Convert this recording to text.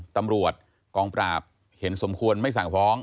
ตำรวจกองปราบเห็นสมควรไม่สั่งฟ้อง